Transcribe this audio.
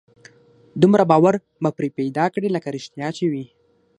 دومره باور به پرې پيدا کړي لکه رښتيا چې وي.